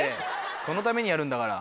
そのためにやるんだから。